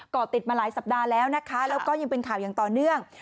่อติดมาหลายสัปดาห์แล้วนะคะแล้วก็ยังเป็นข่าวอย่างต่อเนื่อง